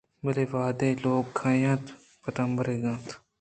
بلئے وہدے لوگ ءَ کیت پژ مردگ اِنت